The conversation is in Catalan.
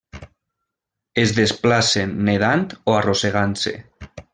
Es desplacen nedant o arrossegant-se.